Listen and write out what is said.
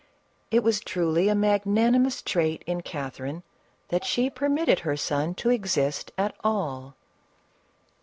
It was truly a magnanimous trait in Catherine that she permitted her son to exist at all!